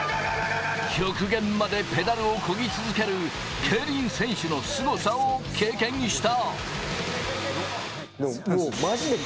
極限までペダルをこぎ続ける、競輪選手のすごさを経験した。